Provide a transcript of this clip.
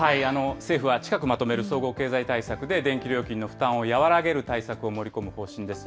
政府は近くまとめる総合経済対策で電気料金の負担を和らげる対策を盛り込む方針です。